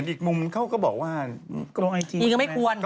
อีกก็ไม่ควร